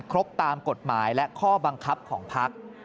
ครบตามกฎหมายและข้อบังคับของพัก